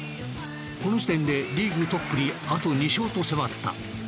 この時点でリーグトップにあと２勝と迫った。